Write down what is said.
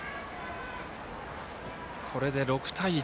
これで６対１。